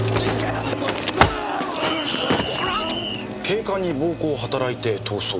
警官に暴行を働いて逃走。